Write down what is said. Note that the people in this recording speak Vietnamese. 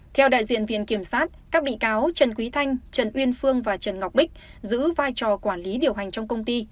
theo đại diện viện kiểm sát các bị cáo trần quý thanh trần uyên phương và trần ngọc bích giữ vai trò quản lý điều hành trong công ty